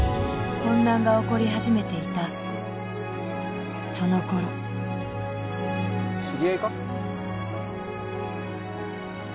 混乱が起こり始めていたその頃知り合いか？